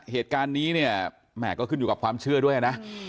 เหตุการณ์นี้เนี่ยแหม่ก็ขึ้นอยู่กับความเชื่อด้วยนะ